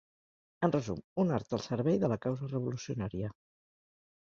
En resum: un art al servei de la causa revolucionària.